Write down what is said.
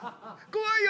怖いよ！